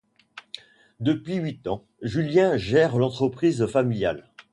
Depuis huit ans, Julien gère l'entreprise familiale.